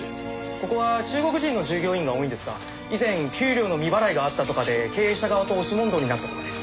ここは中国人の従業員が多いんですが以前給料の未払いがあったとかで経営者側と押し問答になったとかで。